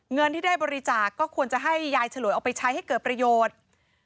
เงินที่ได้บริจาคก็ควรจะให้ยายฉลวยเอาไปใช้ให้เกิดประโยชน์